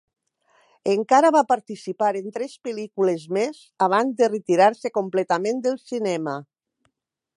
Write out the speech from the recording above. Encara va participar en tres pel·lícules més abans de retirar-se completament del cinema.